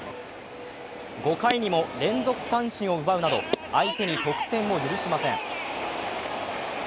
５回にも連続三振を奪うなど相手に得点を許しません。